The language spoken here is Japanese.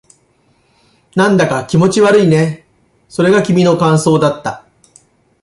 なんだか気持ち悪いね。それが君の感想だった。